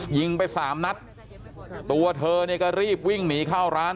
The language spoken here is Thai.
ยิงไปสามนัดตัวเธอเนี่ยก็รีบวิ่งหนีเข้าร้าน